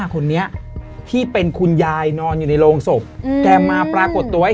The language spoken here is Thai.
ก็เลยคิดได้ว่าเฮ้ย